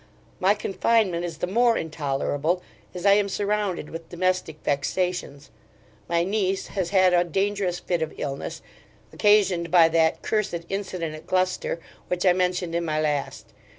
My confinement is the more intolerable, as I am surrounded with domestic vexations. My niece has had a dangerous fit of illness, occasioned by that cursed incident at Gloucester, which I mentioned in my last.